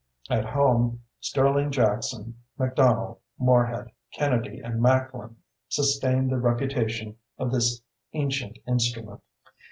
At home, Sterling, Jackson, MacDonnell, Moorehead, Kennedy, and Macklin sustained the reputation of this ancient instrument.